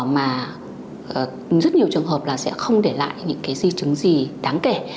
mà rất nhiều trường hợp là sẽ không để lại những cái di chứng gì đáng kể